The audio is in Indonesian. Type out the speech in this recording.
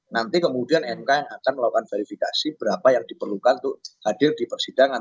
nanti kemudian mk yang akan melakukan verifikasi berapa yang diperlukan untuk hadir di persidangan